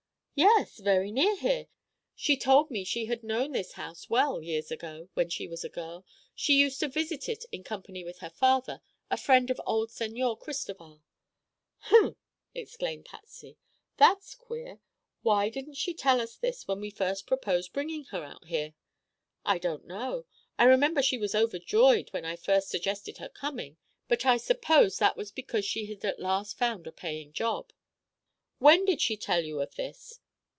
"Yes; very near here. She told me she had known this old house well years ago, when she was a girl. She used to visit it in company with her father, a friend of old Señor Cristoval." "Huh!" exclaimed Patsy. "That's queer, Why didn't she tell us this, when we first proposed bringing her out here?" "I don't know. I remember she was overjoyed when I first suggested her coming, but I supposed that was because she had at last found a paying job." "When did she tell you of this?"